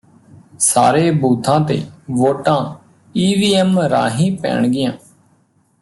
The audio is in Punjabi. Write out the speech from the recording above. ਸਾਰੇ ਬੂਥਾਂ ਤੇ ਵੋਟਾਂ ਈ ਵੀ ਐਮ ਰਾਹੀਂ ਪੈਣਗੀਆਂ